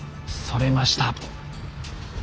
それました。